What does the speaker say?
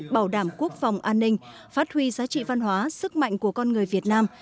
bảo đảm quốc phòng an ninh phát huy giá trị văn hóa sức mạnh của con người việt nam